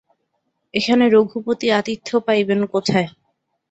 এখানে রঘুপতি আতিথ্য পাইবেন কোথায়।